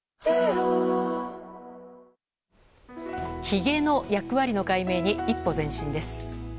ひげの役割解明に一歩前進です。